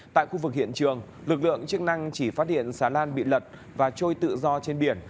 tại khu vực hiện trường lực lượng chức năng chỉ phát hiện xà lan bị lật và trôi tự do trên biển